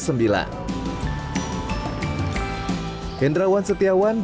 hendrawan setiawan dan mbah bongso